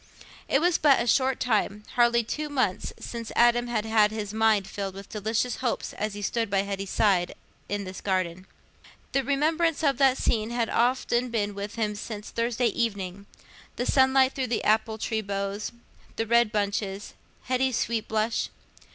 It was but a short time—hardly two months—since Adam had had his mind filled with delicious hopes as he stood by Hetty's side in this garden. The remembrance of that scene had often been with him since Thursday evening: the sunlight through the apple tree boughs, the red bunches, Hetty's sweet blush.